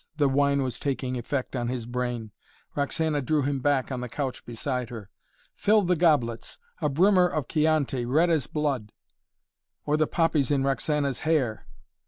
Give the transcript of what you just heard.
The wine was taking effect on his brain. Roxana drew him back on the couch beside her. "Fill the goblets! A brimmer of Chianti, red as blood " "Or the poppies in Roxana's hair!"